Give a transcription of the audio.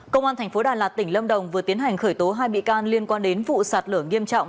công an tp đà lạt tỉnh lâm đồng vừa tiến hành khởi tố hai bị can liên quan đến vụ sạt lở nghiêm trọng